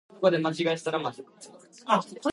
He subsequently novelised the story for Target Books.